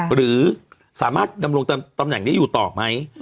หรือสามารถดำรงตำแหน่งได้อยู่ต่อไหม